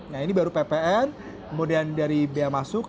nah ini baru ppn kemudian dari biaya masuk